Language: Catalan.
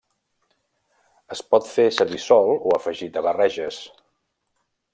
Es pot fer servir sol o afegit a barreges.